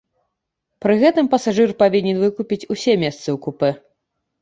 Пры гэтым пасажыр павінен выкупіць усе месцы ў купэ.